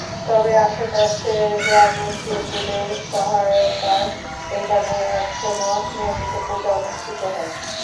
তবে আশপাশের গ্রামের হিন্দুদের সহায়তায় এখানে এখনো নিয়মিত পূজা অনুষ্ঠিত হয়।